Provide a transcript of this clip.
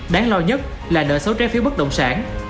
đáng lo nhất là nợ xấu trái phiếu bất động sản